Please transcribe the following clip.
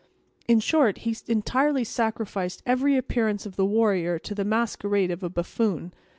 In short, he entirely sacrificed every appearance of the warrior to the masquerade of a buffoon.